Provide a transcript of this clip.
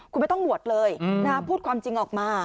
คุณไม่ต้องบวชเลยพูดความจริงออกมา